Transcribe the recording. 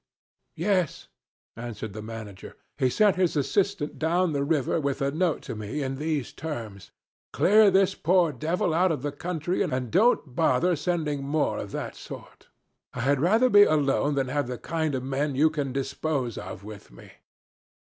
'Yes,' answered the manager; 'he sent his assistant down the river with a note to me in these terms: "Clear this poor devil out of the country, and don't bother sending more of that sort. I had rather be alone than have the kind of men you can dispose of with me."